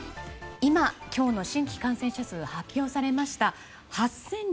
今、今日の新規感染者数が発表されました。